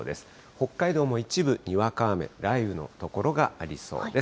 北海道も一部、にわか雨、雷雨の所がありそうです。